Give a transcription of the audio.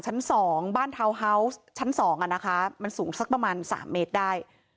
ชั้น๒บ้านทาวน์ฮาวส์ชั้น๒อ่ะนะคะมันสูงสักประมาณ๓เมตรได้